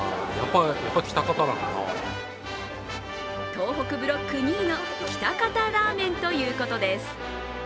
東北ブロック２位の喜多方ラーメンということです。